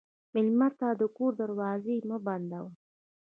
مېلمه ته د کور دروازې مه بندوه.